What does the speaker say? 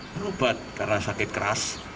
merubat karena sakit keras